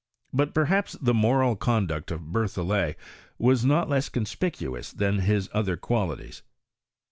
But perhapt the mora! conduct of Berthoilet was not less cott spicuous than his other qualities.